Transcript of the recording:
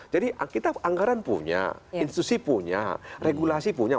jadi kita anggaran punya institusi punya regulasi punya